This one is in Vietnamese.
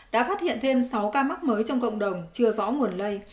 đã phát hiện thêm sáu ca mắc mới trong cộng đồng chưa rõ nguồn lây